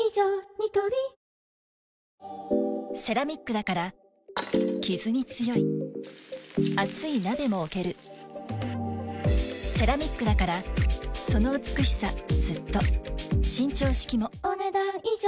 ニトリセラミックだからキズに強い熱い鍋も置けるセラミックだからその美しさずっと伸長式もお、ねだん以上。